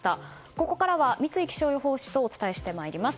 ここからは三井気象予報士とお伝えしてまいります。